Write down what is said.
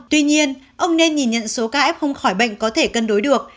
tuy nhiên ông nên nhìn nhận số ca f khỏi bệnh có thể cân đối được